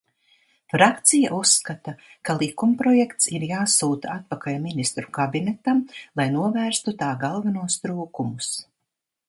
Frakcija uzskata, ka likumprojekts ir jāsūta atpakaļ Ministru kabinetam, lai novērstu tā galvenos trūkumus.